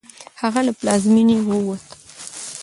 هغه له پلازمېنې ووت.